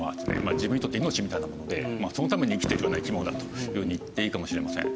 自分にとって命みたいなものでそのために生きているような生き物だというふうに言っていいかもしれません。